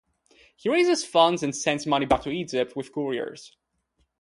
He raises funds and sends money back to Egypt with couriers.